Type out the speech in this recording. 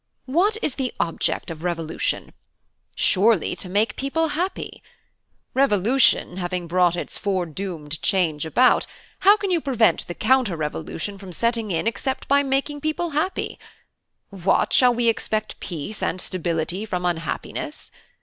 What is the object of Revolution? Surely to make people happy. Revolution having brought its foredoomed change about, how can you prevent the counter revolution from setting in except by making people happy? What! shall we expect peace and stability from unhappiness?